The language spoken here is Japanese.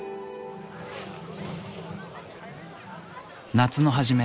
夏の初め。